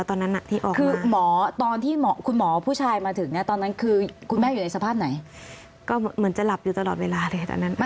ตอนที่คุณหมอผู้ชายมาถึงคุณแม่อยู่ในสภาพไหน